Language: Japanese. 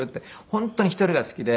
本当に１人が好きで。